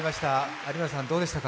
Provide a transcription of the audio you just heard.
有村さん、どうでしたか？